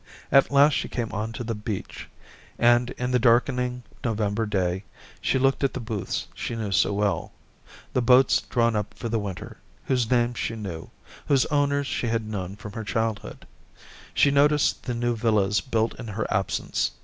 ... At last she came on to the beach, and in the darkening November day she looked at the booths she knew so well, the boats drawn up for the winter, whose names she knew, whose owners she had known from her childhood ; she noticed the new villas built in her absence.